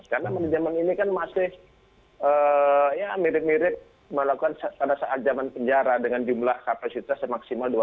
karena manajemen ini kan masih ya mirip mirip melakukan pada saat zaman penjara dengan jumlah kapasitas semaksimal dua ratus